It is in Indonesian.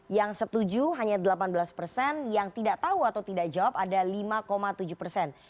yang setuju hanya delapan belas persen yang tidak tahu atau tidak jawab ada lima tujuh persen